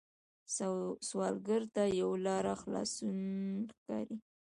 سوالګر ته یوه لاره خلاصون ښکاري